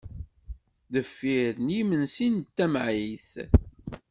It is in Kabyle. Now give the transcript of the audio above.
Deffir n yimensi d tamɛayt.